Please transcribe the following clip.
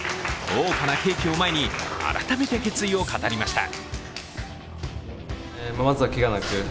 豪華なケーキを前に改めて決意を語りました。